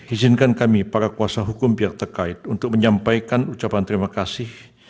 izinkan kami para kuasa hukum pihak terkait untuk menyampaikan ucapan terima kasih